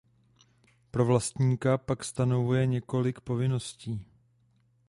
Pro vlastníka pak stanovuje několik povinností.